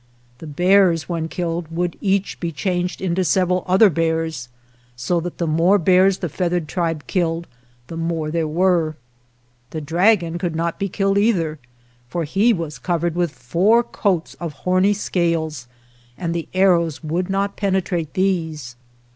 The bears, when killed, would each be changed into several other bears, so that the more bears the feathered tribe killed, the more there were. The dragon could not be killed, either, for he was covered with four coats of horny scales, and the arrows would not penetrate these.